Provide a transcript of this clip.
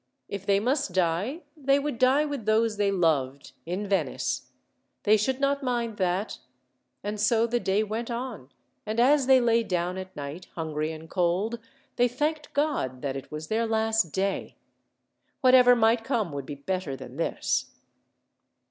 If they must die, they would die with those they loved, in Venice. They should not mind that. And so the day went on, and as they lay down at night, hungry and cold, they thanked God that it was their last day. Whatever might come would be better than this.